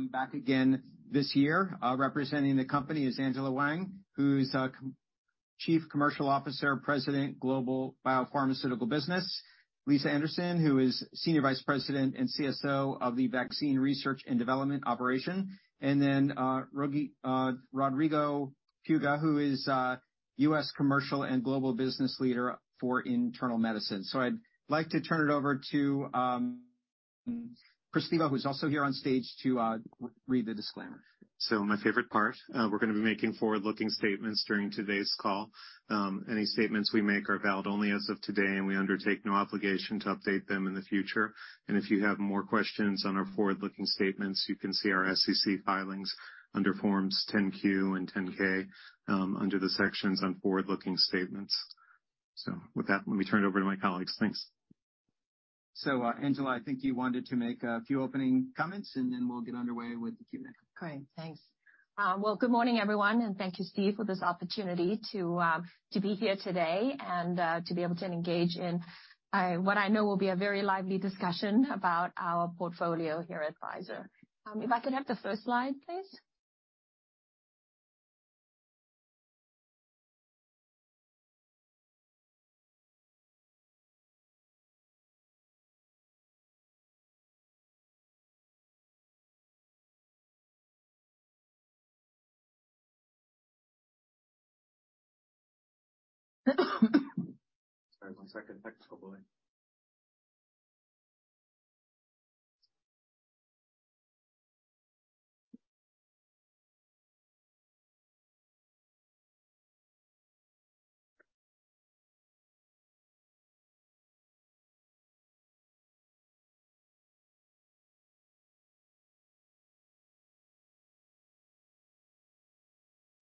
I'm back again this year. Representing the company is Angela Hwang, who's our Chief Commercial Officer, President, Global Biopharmaceutical Business. Annaliesa Anderson, who is Senior Vice President and CSO of the Vaccine Research and Development Operation. Rodrigo Puga, who is U.S. Commercial and Global Business Leader for Internal Medicine. I'd like to turn it over to Christina, who's also here on stage, to read the disclaimer. My favorite part. We're gonna be making forward-looking statements during today's call. Any statements we make are valid only as of today, and we undertake no obligation to update them in the future. If you have more questions on our forward-looking statements, you can see our SEC filings under forms 10-Q and 10-K, under the sections on forward-looking statements. With that, let me turn it over to my colleagues. Thanks. Angela, I think you wanted to make a few opening comments, and then we'll get underway with the Q&A. Great. Thanks. Well, good morning, everyone, and thank you, Steve, for this opportunity to be here today and to be able to engage in what I know will be a very lively discussion about our portfolio here at Pfizer. If I could have the first slide, please. Sorry, one second. Back to full volume.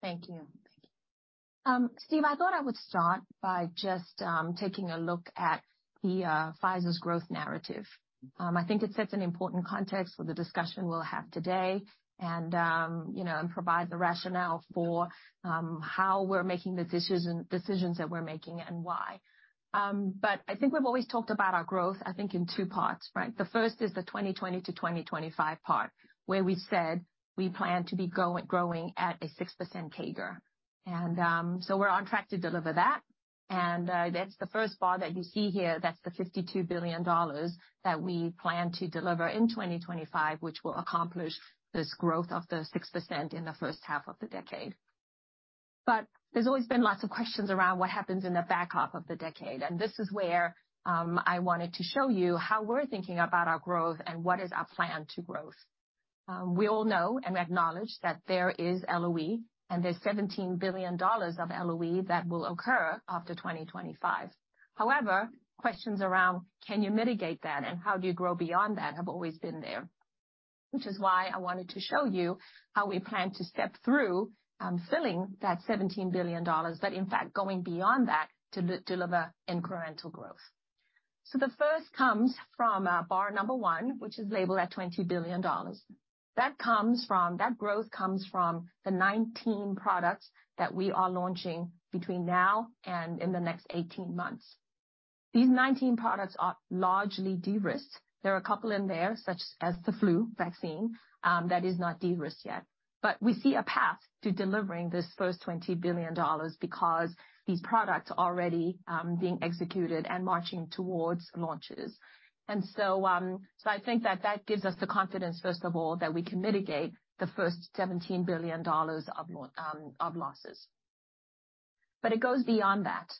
Thank you. Steve, I thought I would start by just taking a look at the Pfizer's growth narrative. I think it sets an important context for the discussion we'll have today and, you know, and provide the rationale for how we're making the decisions that we're making and why. I think we've always talked about our growth, I think, in two parts, right? The first is the 2020 to 2025 part, where we said we plan to be growing at a 6% CAGR. So we're on track to deliver that. That's the first bar that you see here. That's the $52 billion that we plan to deliver in 2025, which will accomplish this growth of the 6% in the first half of the decade. There's always been lots of questions around what happens in the back half of the decade, and this is where I wanted to show you how we're thinking about our growth and what is our plan to growth. We all know and acknowledge that there is LOE, and there's $17 billion of LOE that will occur after 2025. However, questions around can you mitigate that and how do you grow beyond that have always been there, which is why I wanted to show you how we plan to step through filling that $17 billion, but in fact, going beyond that to deliver incremental growth. The first comes from bar number one, which is labeled at $20 billion. That growth comes from the 19 products that we are launching between now and in the next 18 months. These 19 products are largely de-risked. There are a couple in there, such as the flu vaccine, that is not de-risked yet. We see a path to delivering this first $20 billion because these products are already being executed and marching towards launches. I think that that gives us the confidence, first of all, that we can mitigate the first $17 billion of losses. It goes beyond that.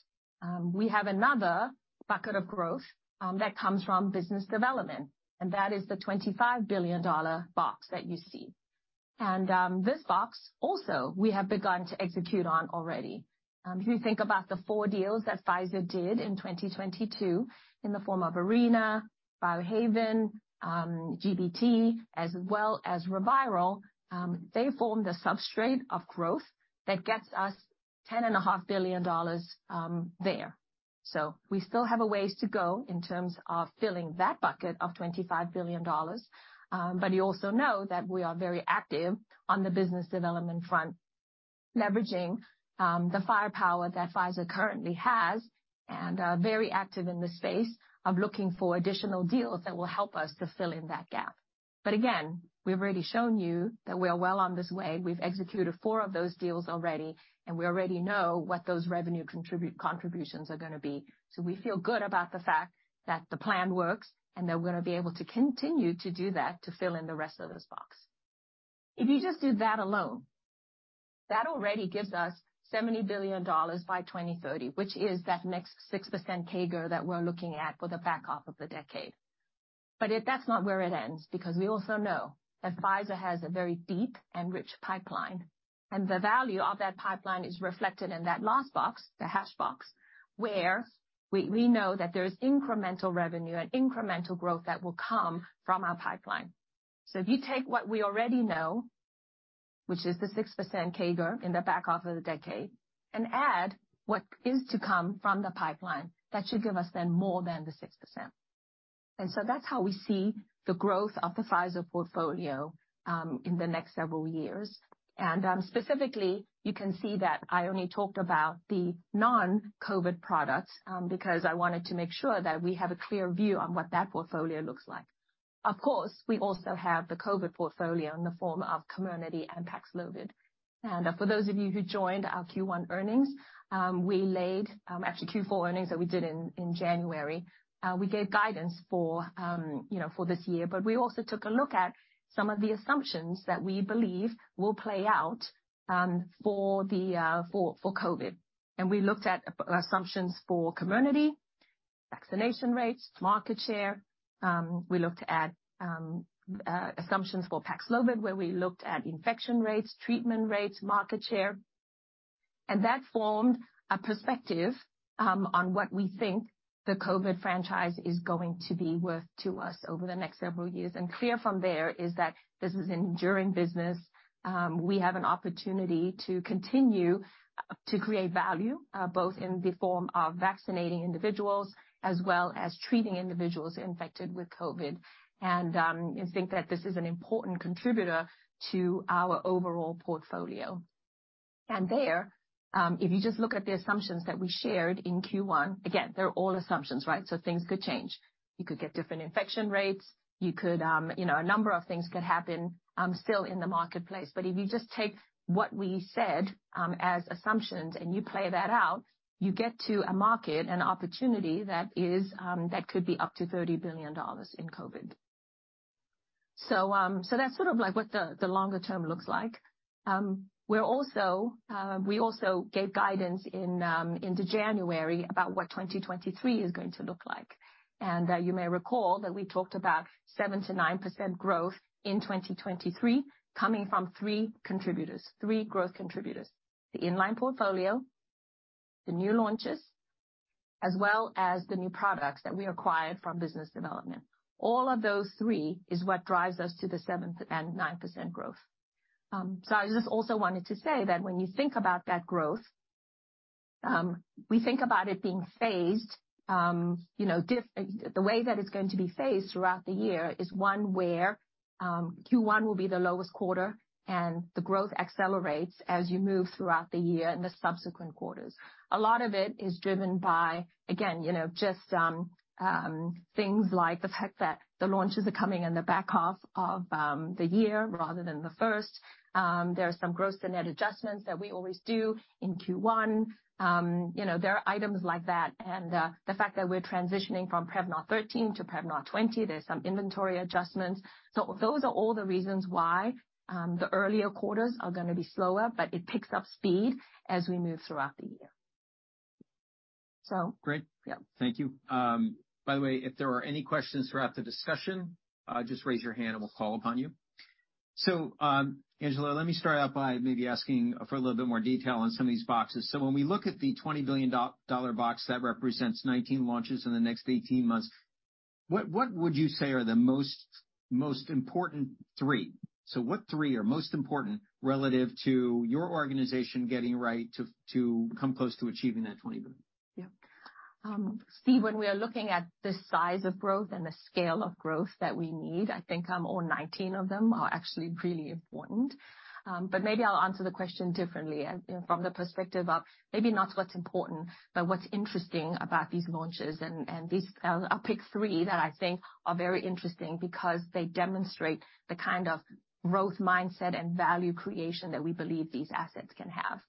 We have another bucket of growth that comes from business development, and that is the $25 billion box that you see. This box also we have begun to execute on already. If you think about the four deals that Pfizer did in 2022 in the form of Arena, Biohaven, GBT, as well as ReViral, they form the substrate of growth that gets us $10.5 billion there. We still have a ways to go in terms of filling that bucket of $25 billion, but you also know that we are very active on the business development front, leveraging the firepower that Pfizer currently has and are very active in the space of looking for additional deals that will help us to fill in that gap. Again, we've already shown you that we are well on this way. We've executed four of those deals already, and we already know what those revenue contributions are gonna be. We feel good about the fact that the plan works, and that we're gonna be able to continue to do that to fill in the rest of this box. If you just do that alone, that already gives us $70 billion by 2030, which is that next 6% CAGR that we're looking at for the back half of the decade. That's not where it ends, because we also know that Pfizer has a very deep and rich pipeline, and the value of that pipeline is reflected in that last box, the hashed box, where we know that there is incremental revenue and incremental growth that will come from our pipeline. If you take what we already know, which is the 6% CAGR in the back half of the decade, add what is to come from the pipeline, that should give us then more than the 6%. That's how we see the growth of the Pfizer portfolio, in the next several years. Specifically, you can see that I only talked about the non-COVID products, because I wanted to make sure that we have a clear view on what that portfolio looks like. Of course, we also have the COVID portfolio in the form of Comirnaty and Paxlovid. For those of you who joined our Q1 earnings, we laid. Actually, Q4 earnings that we did in January, we gave guidance for, you know, for this year. We also took a look at some of the assumptions that we believe will play out for COVID. We looked at assumptions for Comirnaty, vaccination rates, market share. We looked at assumptions for Paxlovid, where we looked at infection rates, treatment rates, market share. That formed a perspective on what we think the COVID franchise is going to be worth to us over the next several years. Clear from there is that this is enduring business. We have an opportunity to continue to create value both in the form of vaccinating individuals as well as treating individuals infected with COVID. I think that this is an important contributor to our overall portfolio. There, if you just look at the assumptions that we shared in Q1, again, they're all assumptions, right? Things could change. You could get different infection rates. You could, you know, a number of things could happen still in the marketplace. If you just take what we said as assumptions, and you play that out, you get to a market, an opportunity that is that could be up to $30 billion in COVID. That's sort of like what the longer term looks like. We're also we also gave guidance in into January about what 2023 is going to look like. You may recall that we talked about 7%-9% growth in 2023 coming from three contributors, three growth contributors: the in-line portfolio, the new launches, as well as the new products that we acquired from business development. All of those three is what drives us to the 7% and 9% growth. I just also wanted to say that when you think about that growth, we think about it being phased, you know, The way that it's going to be phased throughout the year is one where Q1 will be the lowest quarter. The growth accelerates as you move throughout the year in the subsequent quarters. A lot of it is driven by, again, you know, just, things like the fact that the launches are coming in the back half of the year rather than the first. There are some gross-to-net adjustments that we always do in Q1. You know, there are items like that, the fact that we're transitioning from Prevnar 13 to Prevnar 20, there's some inventory adjustments. Those are all the reasons why, the earlier quarters are gonna be slower, but it picks up speed as we move throughout the year. Great. Yeah. Thank you. By the way, if there are any questions throughout the discussion, just raise your hand, and we'll call upon you. Angela, let me start out by maybe asking for a little bit more detail on some of these boxes. When we look at the $20 billion dollar box that represents 19 launches in the next 18 months, what would you say are the most important three? What three are most important relative to your organization getting right to come close to achieving that $20 billion? Yeah. Steve, when we are looking at the size of growth and the scale of growth that we need, I think, all 19 of them are actually really important. Maybe I'll answer the question differently and from the perspective of maybe not what's important, but what's interesting about these launches. These-I'll pick three that I think are very interesting because they demonstrate the kind of growth mindset and value creation that we believe these assets can have.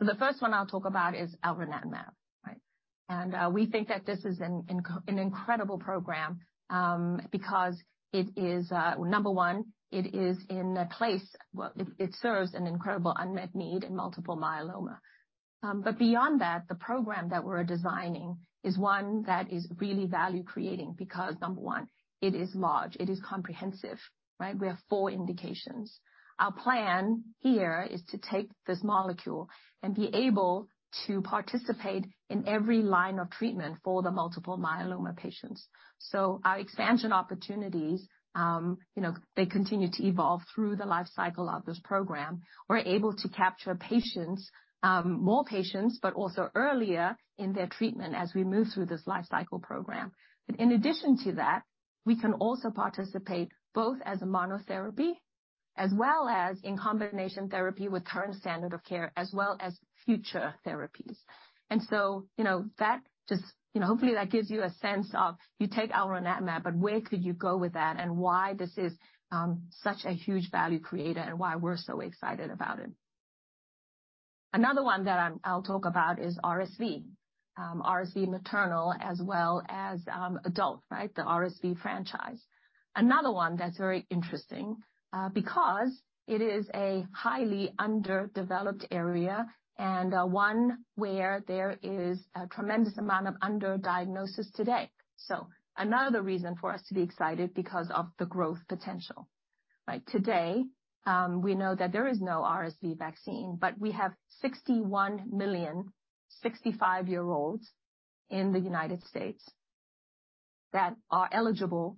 The first one I'll talk about is elranatamab, right? We think that this is an incredible program because it is, number one. Well, it serves an incredible unmet need in multiple myeloma. Beyond that, the program that we're designing is one that is really value creating because, number one, it is large, it is comprehensive, right? We have four indications. Our plan here is to take this molecule and be able to participate in every line of treatment for the multiple myeloma patients. Our expansion opportunities, you know, they continue to evolve through the life cycle of this program. We're able to capture patients, more patients, but also earlier in their treatment as we move through this life cycle program. In addition to that, we can also participate both as a monotherapy as well as in combination therapy with current standard of care as well as future therapies. You know, that just, you know, hopefully that gives you a sense of you take elranatamab, but where could you go with that, and why this is such a huge value creator and why we're so excited about it. Another one that I'll talk about is RSV maternal as well as adult, right? The RSV franchise. Another one that's very interesting, because it is a highly underdeveloped area and one where there is a tremendous amount of underdiagnosis today. Another reason for us to be excited because of the growth potential. Right. Today, we know that there is no RSV vaccine, but we have 61 million 65-year-olds in the U.S. that are eligible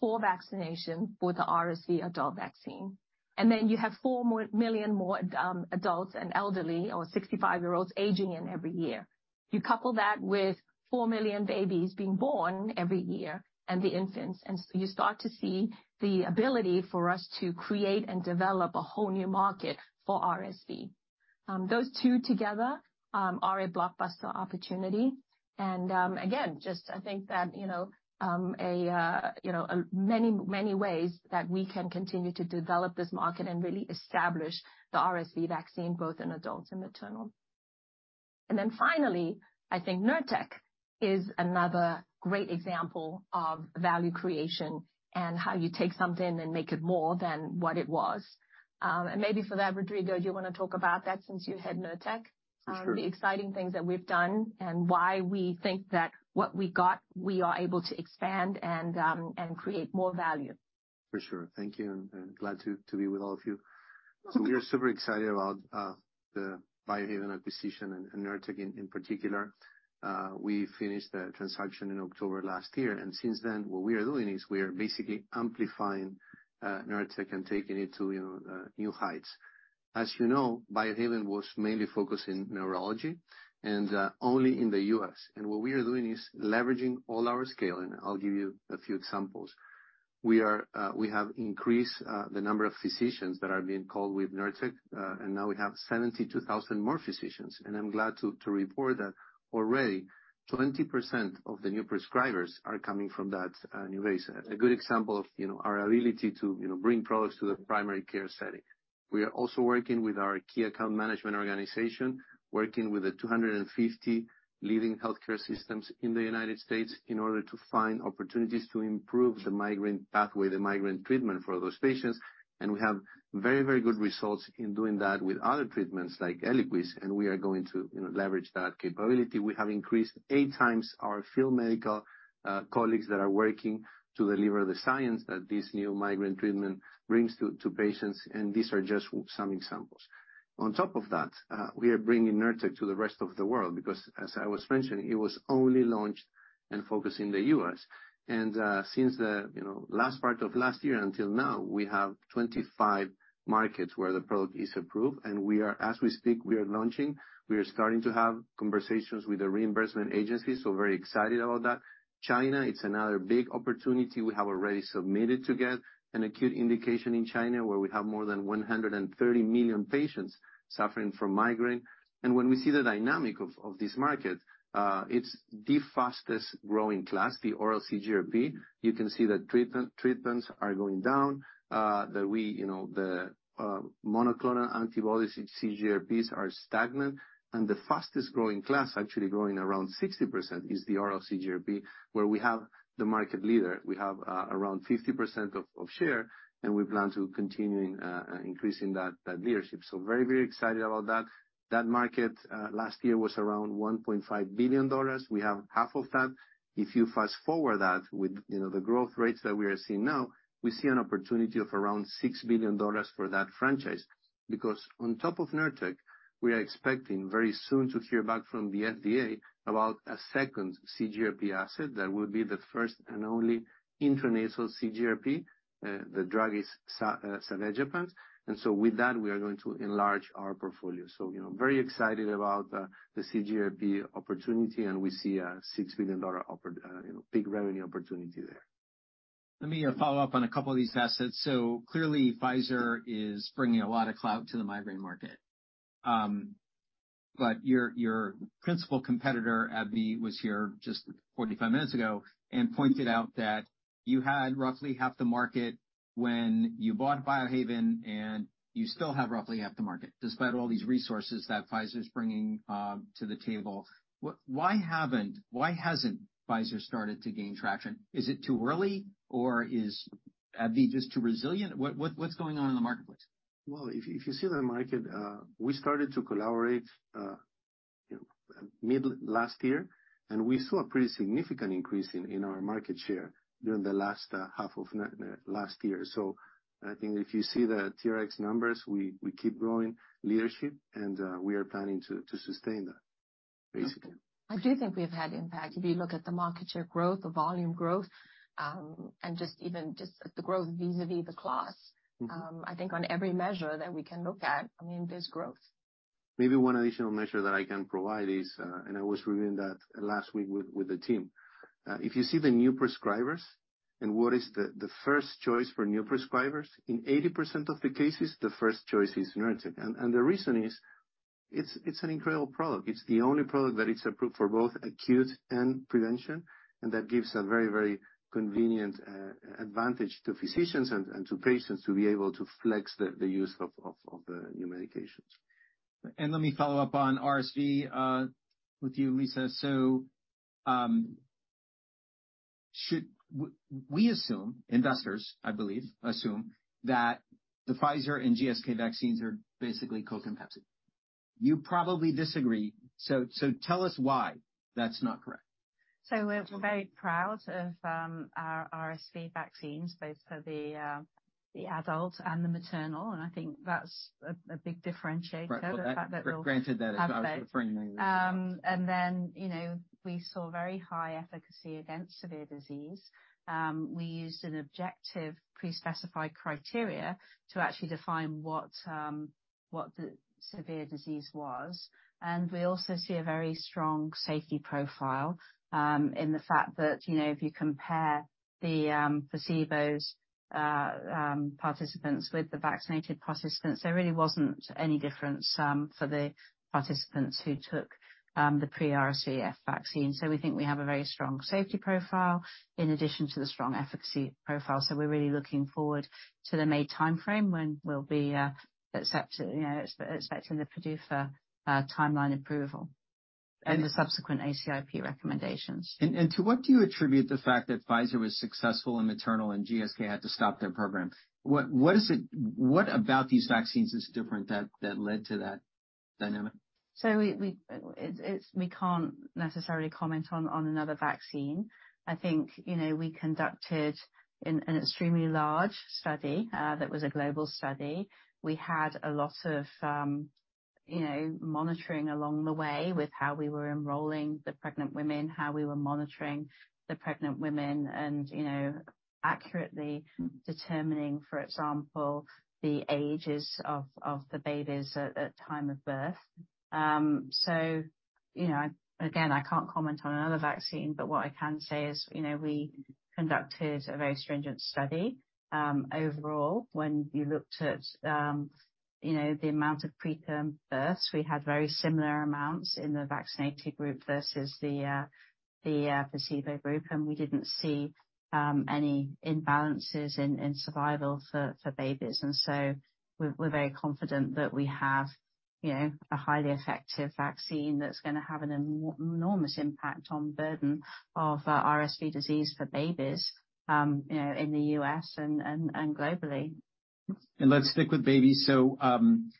for vaccination with the RSV adult vaccine. You have 4 million more adults and elderly or 65-year-olds aging in every year. You couple that with 4 million babies being born every year and the infants, and you start to see the ability for us to create and develop a whole new market for RSV. Those two together are a blockbuster opportunity. Again, just I think that, you know, many, many ways that we can continue to develop this market and really establish the RSV vaccine, both in adults and maternal. Finally, I think Nurtec is another great example of value creation and how you take something and make it more than what it was. Maybe for that, Rodrigo, do you want to talk about that since you head Nurtec? Sure. The exciting things that we've done and why we think that what we got, we are able to expand and create more value. For sure. Thank you, and glad to be with all of you. We are super excited about the Biohaven acquisition and Nurtec in particular. We finished the transaction in October last year, and since then, what we are doing is we are basically amplifying Nurtec and taking it to, you know, new heights. As you know, Biohaven was mainly focused in neurology and only in the U.S. What we are doing is leveraging all our scale, and I'll give you a few examples. We are, we have increased the number of physicians that are being called with Nurtec, and now we have 72,000 more physicians. I'm glad to report that already 20% of the new prescribers are coming from that new base. A good example of, you know, our ability to, you know, bring products to the primary care setting. We are also working with our key account management organization, working with the 250 leading healthcare systems in the United States in order to find opportunities to improve the migraine pathway, the migraine treatment for those patients. We have very, very good results in doing that with other treatments like ELIQUIS, and we are going to, you know, leverage that capability. We have increased eight times our field medical colleagues that are working to deliver the science that this new migraine treatment brings to patients. These are just some examples. On top of that, we are bringing Nurtec to the rest of the world because as I was mentioning, it was only launched and focused in the U.S. Since the, you know, last part of last year until now, we have 25 markets where the product is approved. As we speak, we are launching. We are starting to have conversations with the reimbursement agencies, very excited about that. China, it's another big opportunity. We have already submitted to get an acute indication in China, where we have more than 130 million patients suffering from migraine. When we see the dynamic of this market, it's the fastest-growing class, the oral CGRP. You can see that treatment, treatments are going down, that we, you know, the monoclonal antibody CGRPs are stagnant. The fastest-growing class, actually growing around 60%, is the oral CGRP, where we have the market leader. We have around 50% of share, and we plan to continuing increasing that leadership. Very excited about that. That market last year was around $1.5 billion. We have half of that. If you fast-forward that with, you know, the growth rates that we are seeing now, we see an opportunity of around $6 billion for that franchise. Because on top of Nurtec, we are expecting very soon to hear back from the FDA about a second CGRP asset that will be the first and only intranasal CGRP. The drug is zavegepant. With that, we are going to enlarge our portfolio. You know, very excited about the CGRP opportunity, and we see a $6 billion big revenue opportunity there. Let me follow up on a couple of these assets. Clearly, Pfizer is bringing a lot of clout to the migraine market. But your principal competitor, AbbVie, was here just 45 minutes ago and pointed out that you had roughly half the market when you bought Biohaven, and you still have roughly half the market, despite all these resources that Pfizer's bringing to the table. Why hasn't Pfizer started to gain traction? Is it too early, or is AbbVie just too resilient? What's going on in the marketplace? Well, if you see the market, we started to collaborate, you know, mid last year, we saw a pretty significant increase in our market share during the last half of last year. I think if you see the TRX numbers, we keep growing leadership and we are planning to sustain that, basically. I do think we've had impact. If you look at the market share growth, the volume growth, and just even just the growth vis-à-vis the class. I think on every measure that we can look at, I mean, there's growth. Maybe one additional measure that I can provide is, and I was reviewing that last week with the team. If you see the new prescribers and what is the first choice for new prescribers, in 80% of the cases, the first choice is Nurtec. The reason is it's an incredible product. It's the only product that is approved for both acute and prevention, and that gives a very convenient advantage to physicians and to patients to be able to flex the use of the new medications. Let me follow up on RSV with you, Lisa. We assume, investors, I believe, assume that the Pfizer and GSK vaccines are basically co-competitive. You probably disagree, so tell us why that's not correct. We're very proud of, our RSV vaccines, both for the adult and the maternal. I think that's a big differentiator. Right. Well. The fact that they'll Granted, that is. You know, we saw very high efficacy against severe disease. We used an objective pre-specified criteria to actually define what the severe disease was. We also see a very strong safety profile in the fact that, you know, if you compare the placebos participants with the vaccinated participants, there really wasn't any difference for the participants who took the pre-RSV F vaccine. We think we have a very strong safety profile in addition to the strong efficacy profile. We're really looking forward to the May timeframe when we'll be accept, you know, expecting the PDUFA timeline approval and the subsequent ACIP recommendations. To what do you attribute the fact that Pfizer was successful in maternal and GSK had to stop their program? What about these vaccines is different that led to that dynamic? We can't necessarily comment on another vaccine. I think, you know, we conducted an extremely large study that was a global study. We had a lot of, you know, monitoring along the way with how we were enrolling the pregnant women, how we were monitoring the pregnant women and, you know, accurately determining, for example, the ages of the babies at time of birth. So, you know, again, I can't comment on another vaccine, but what I can say is, you know, we conducted a very stringent study. Overall, when you looked at, you know, the amount of preterm births, we had very similar amounts in the vaccinated group versus the placebo group. We didn't see any imbalances in survival for babies. We're very confident that we have, you know, a highly effective vaccine that's gonna have an enormous impact on burden of RSV disease for babies, you know, in the U.S. and globally. Let's stick with babies. Sanofi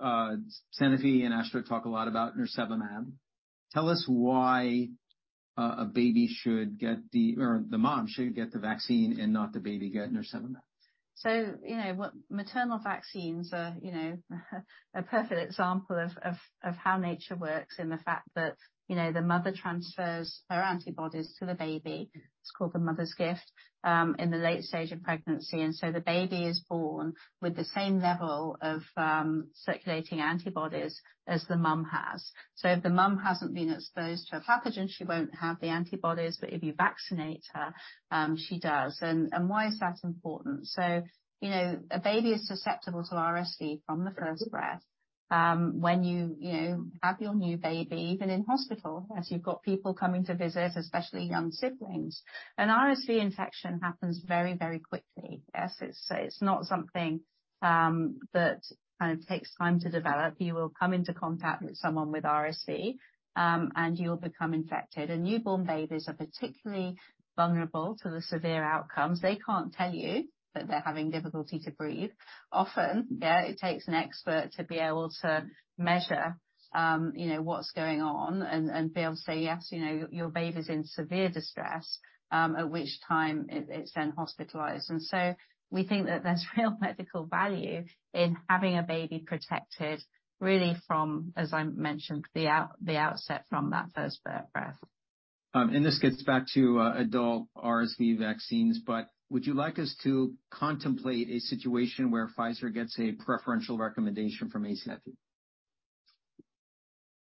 and AstraZeneca talk a lot about nirsevimab. Tell us why a baby should get the-or the mom should get the vaccine and not the baby get nirsevimab. You know, maternal vaccines are, you know, a perfect example of, of how nature works and the fact that, you know, the mother transfers her antibodies to the baby, it's called the mother's gift, in the late stage of pregnancy, and the baby is born with the same level of circulating antibodies as the mom has. If the mom hasn't been exposed to a pathogen, she won't have the antibodies, but if you vaccinate her, she does. Why is that important? You know, a baby is susceptible to RSV from the first breath. When you know, have your new baby, even in hospital, as you've got people coming to visit, especially young siblings, an RSV infection happens very, very quickly. Yes. It's not something that kind of takes time to develop. You will come into contact with someone with RSV, and you'll become infected. Newborn babies are particularly vulnerable to the severe outcomes. They can't tell you that they're having difficulty to breathe. Often, yeah, it takes an expert to be able to measure, you know, what's going on and be able to say, "Yes, you know, your baby's in severe distress," at which time it's then hospitalized. We think that there's real medical value in having a baby protected really from, as I mentioned, the outset from that first breath. This gets back to adult RSV vaccines, but would you like us to contemplate a situation where Pfizer gets a preferential recommendation from ACIP?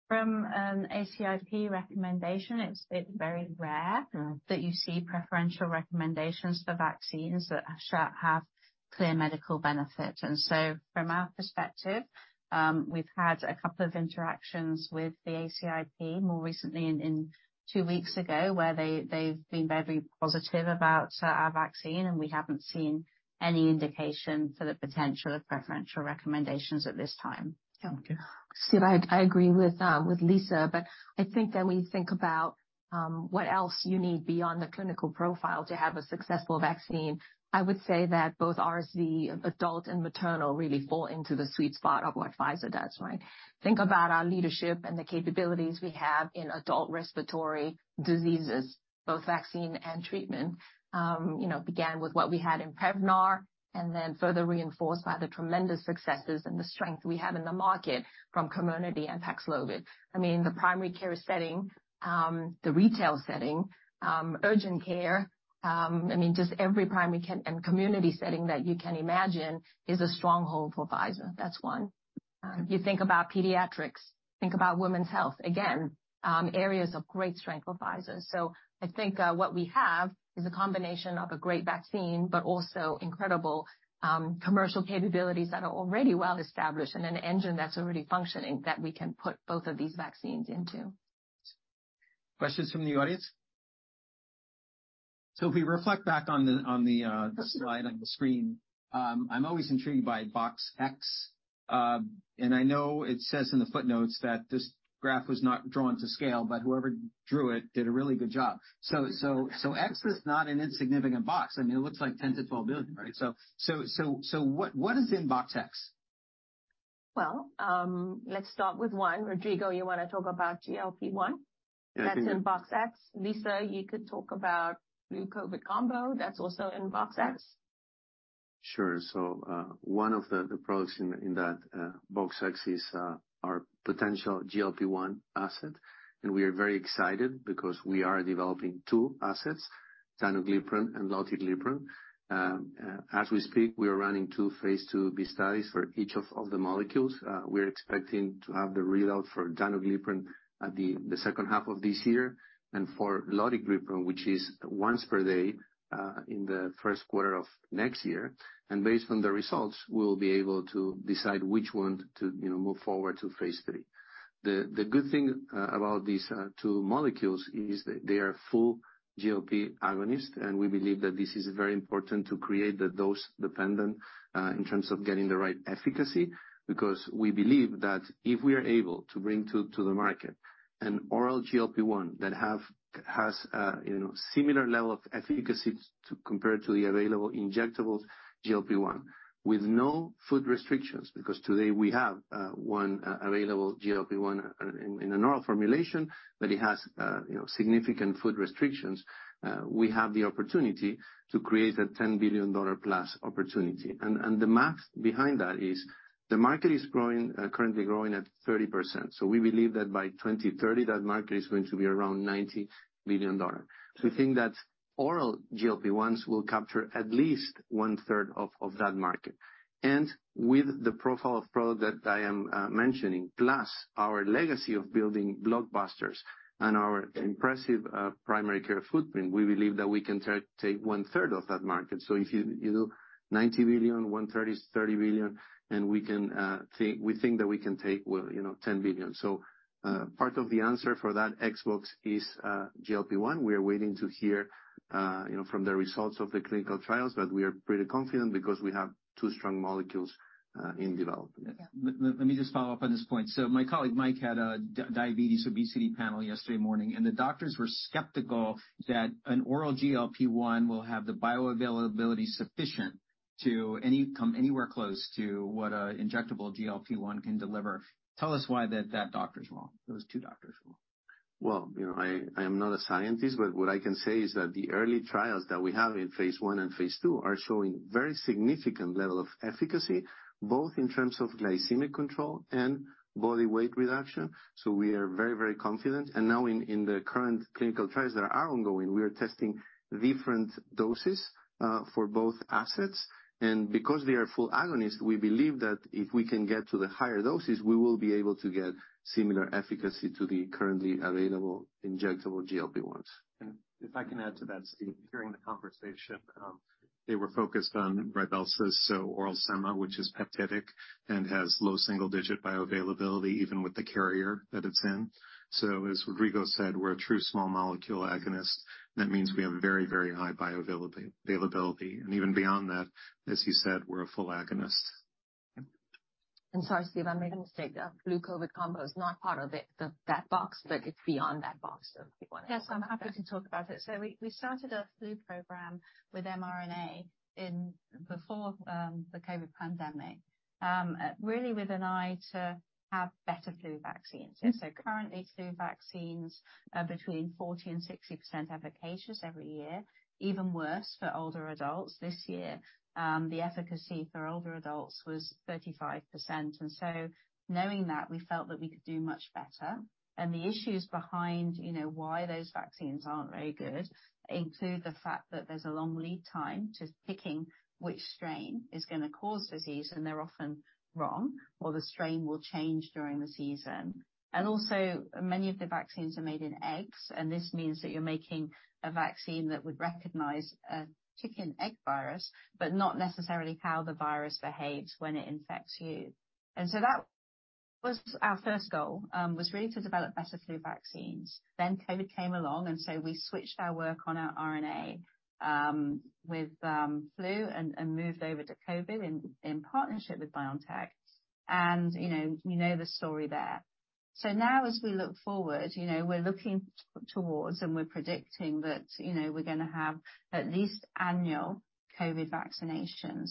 From, ACIP recommendation, it's very rare. Mm-hmm. That you see preferential recommendations for vaccines that have clear medical benefit. From our perspective, we've had a couple of interactions with the ACIP more recently in two weeks ago, where they've been very positive about our vaccine, and we haven't seen any indication for the potential of preferential recommendations at this time. Okay. Steve, I agree with Lisa, I think that we think about what else you need beyond the clinical profile to have a successful vaccine. I would say that both RSV adult and maternal really fall into the sweet spot of what Pfizer does, right? Think about our leadership and the capabilities we have in adult respiratory diseases, both vaccine and treatment. You know, began with what we had in Prevnar, and then further reinforced by the tremendous successes and the strength we have in the market from Comirnaty and Paxlovid. I mean, the primary care setting, the retail setting, urgent care, I mean, just every primary care and community setting that you can imagine is a stronghold for Pfizer. That's one. If you think about pediatrics, think about women's health, again, areas of great strength for Pfizer. I think, what we have is a combination of a great vaccine, but also incredible commercial capabilities that are already well established and an engine that's already functioning, that we can put both of these vaccines into. Questions from the audience? If we reflect back on the slide on the screen, I'm always intrigued by Black Box. I know it says in the footnotes that this graph was not drawn to scale, but whoever drew it did a really good job. X is not an insignificant box. I mean, it looks like $10 billion-$12 billion, right? What is in Black Box? Let's start with 1. Rodrigo, you wanna talk about GLP-1? Yeah, I. That's in box X. Lisa, you could talk about flu COVID combo. That's also in box X. Sure. One of the products in that box X is our potential GLP-1 asset. We are very excited because we are developing two assets, danuglipran and lotiglipran. As we speak, we are running two phase IIb studies for each of the molecules. We're expecting to have the readout for danuglipran at the second half of this year, and for lotiglipran, which is once per day, in the Q1 of next year. Based on the results, we will be able to decide which one to, you know, move forward to phase III. The good thing about these two molecules is they are full GLP-1 agonist, We believe that this is very important to create the dose dependent in terms of getting the right efficacy, because we believe that if we are able to bring to the market an oral GLP-1 that has, you know, similar level of efficacy compared to the available injectable GLP-1 with no food restrictions, because today we have one available GLP-1 in a normal formulation, but it has, you know, significant food restrictions. We have the opportunity to create a $10 billion+ opportunity. The math behind that is the market is growing, currently growing at 30%. We believe that by 2030 that market is going to be around $90 billion. We think that oral GLP-1s will capture at least one-third of that market. With the profile of product that I am mentioning, plus our legacy of building blockbusters and our impressive primary care footprint, we believe that we can take one third of that market. If you do $90 billion, one-third is $30 billion, and we think that we can take, well, you know, $10 billion. Part of the answer for that Xbox is GLP-1. We are waiting to hear, you know, from the results of the clinical trials, but we are pretty confident because we have two strong molecules in development. Yeah. Let me just follow up on this point. My colleague Mike had a diabetes obesity panel yesterday morning, and the doctors were skeptical that an oral GLP-1 will have the bioavailability sufficient to come anywhere close to what an injectable GLP-1 can deliver. Tell us why that doctor's wrong. Those two doctors were. Well, you know, I am not a scientist, but what I can say is that the early trials that we have in phase I and phase II are showing very significant level of efficacy, both in terms of glycemic control and body weight reduction. We are very confident. Now in the current clinical trials that are ongoing, we are testing different doses for both assets. Because they are full agonist, we believe that if we can get to the higher doses, we will be able to get similar efficacy to the currently available injectable GLP-1s. If I can add to that, Steve, during the conversation, they were focused on Rybelsus, so oral semaglutide, which is peptidic and has low single-digit bioavailability, even with the carrier that it's in. As Rodrigo said, we're a true small molecule agonist. That means we have a very, very high bioavailability. Even beyond that, as you said, we're a full agonist. Sorry, Steve, I made a mistake. The flu COVID combo is not part of that box, but it's beyond that box of- Yes, I'm happy to talk about it. We started our flu program with mRNA in before the COVID pandemic, really with an eye to have better flu vaccines. Currently, flu vaccines are between 40% and 60% efficacious every year. Even worse for older adults. This year, the efficacy for older adults was 35%. Knowing that, we felt that we could do much better. The issues behind, you know, why those vaccines aren't very good include the fact that there's a long lead time to picking which strain is gonna cause disease, and they're often wrong, or the strain will change during the season. Also, many of the vaccines are made in eggs, and this means that you're making a vaccine that would recognize a chicken egg virus, but not necessarily how the virus behaves when it infects you. That was our first goal, was really to develop better flu vaccines. COVID came along, we switched our work on our RNA with flu and moved over to COVID in partnership with BioNTech. You know, you know the story there. Now as we look forward, you know, we're looking towards and we're predicting that, you know, we're gonna have at least annual COVID vaccinations.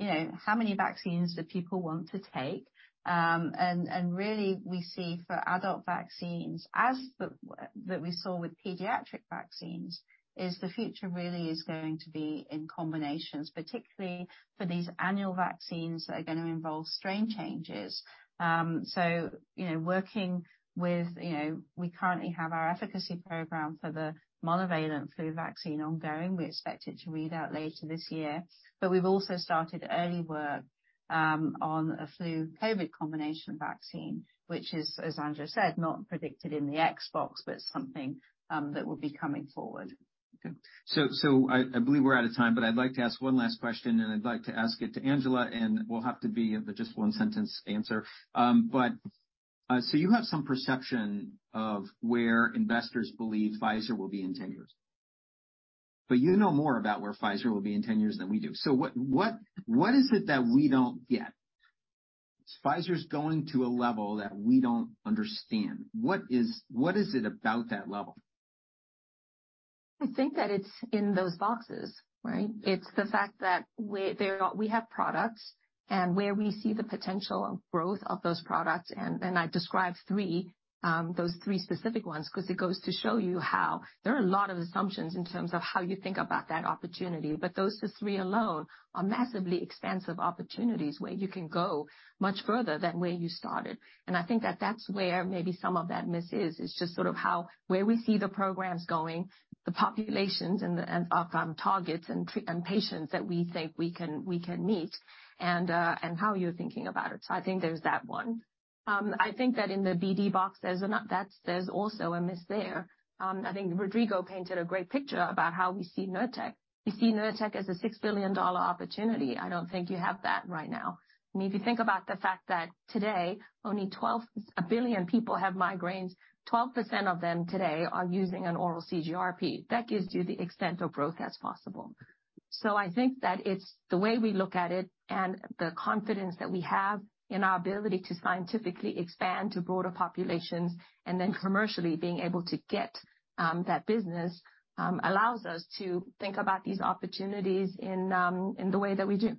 You know, how many vaccines do people want to take? And really we see for adult vaccines, as that we saw with pediatric vaccines, is the future really is going to be in combinations, particularly for these annual vaccines that are gonna involve strain changes. Working with, you know, we currently have our efficacy program for the monovalent flu vaccine ongoing. We expect it to read out later this year. We've also started early work on a flu COVID combination vaccine, which is, as Angela said, not predicted in the Xbox, but something that will be coming forward. Okay. I believe we're out of time, but I'd like to ask one last question, and I'd like to ask it to Angela, and it will have to be just one sentence answer. You have some perception of where investors believe Pfizer will be in 10 years. You know more about where Pfizer will be in 10 years than we do. What is it that we don't get? Pfizer's going to a level that we don't understand. What is it about that level? I think that it's in those boxes, right? It's the fact that we have products and where we see the potential of growth of those products, and I described three, those three specific ones, 'cause it goes to show you how there are a lot of assumptions in terms of how you think about that opportunity. Those three alone are massively expansive opportunities where you can go much further than where you started. I think that that's where maybe some of that miss is. It's just sort of how where we see the programs going, the populations and the targets and patients that we think we can, we can meet and how you're thinking about it. I think there's that one. I think that in the BD box, there's also a miss there. I think Rodrigo painted a great picture about how we see Nurtec. We see Nurtec as a $6 billion opportunity. I don't think you have that right now. I mean, if you think about the fact that today only a billion people have migraines, 12% of them today are using an oral CGRP. That gives you the extent of growth that's possible. I think that it's the way we look at it and the confidence that we have in our ability to scientifically expand to broader populations and then commercially being able to get that business, allows us to think about these opportunities in the way that we do.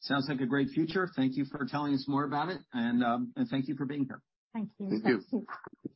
Sounds like a great future. Thank you for telling us more about it and thank you for being here. Thank you. Thank you.